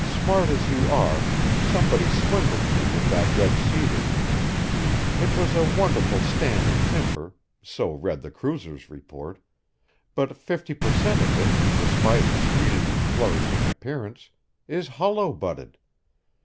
Smart as you are, somebody swindled you with that red cedar. It was a wonderful stand of timber so read the cruiser's report but fifty per cent. of it, despite its green and flourishing appearance, is hollow butted!